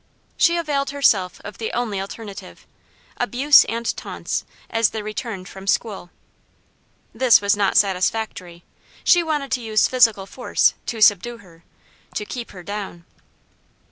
She availed herself of the only alternative, abuse and taunts, as they returned from school. This was not satisfactory; she wanted to use physical force "to subdue her," to "keep her down."